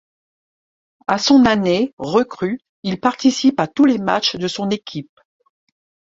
À son année recrue, il participe à tous les matchs de son équipe.